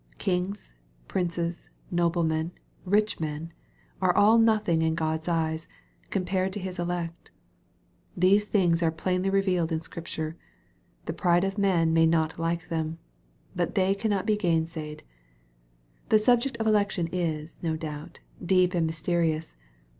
Kings, princes, noblemen, rich men, are all nothing in God's eyes, compared to His elect. These things are plainly revealed in Scripture. The pride of man may not like them. But they cannot be gainsaid. The subject of election is, no doubt, deep and myste rious.